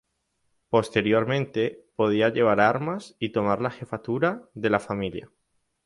Posteriormente podía llevar armas y tomar la jefatura de la familia.